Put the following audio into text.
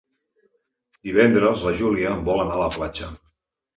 Divendres en Julià vol anar a la platja.